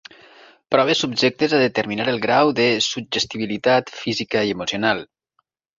Proves subjectes a determinar el grau de suggestibilitat física i emocional.